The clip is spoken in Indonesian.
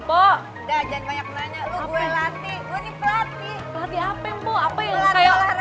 mbok dan banyak nanya gue latih latih